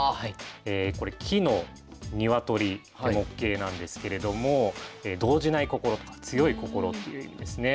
これ木の鶏で「木鶏」なんですけれども動じない心とか強い心という意味ですね。